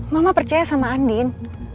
mama percaya sama andin